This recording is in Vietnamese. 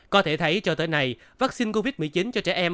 có thể thấy cho tới nay vaccine covid một mươi chín cho trẻ em